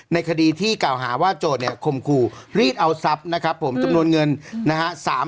ในคดีที่จะหาว่าขมฮู่จำนวนเงิน๓๕ล้าน